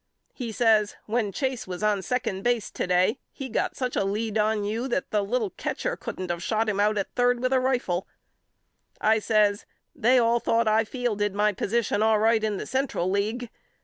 He says When Chase was on second base to day he got such a lead on you that the little catcher couldn't of shot him out at third with a rifle. I says They all thought I fielded my position all right in the Central League.